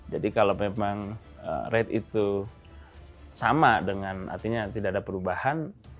jadi kalau memang rate itu sama dengan artinya tidak ada perubahan